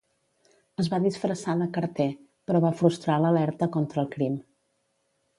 Es va disfressar de Carter, però va frustrar l'alerta contra el crim.